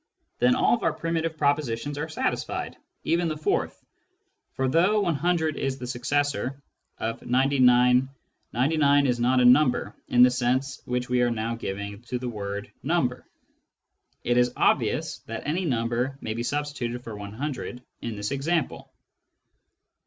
Then all our primitive propositions are satisfied, even the fourth, for, though 100 is the successor of 99, 99 is not a " number " in the sense which we are now giving to the word " number." It is obvious that any number may be substituted for 100 in this example.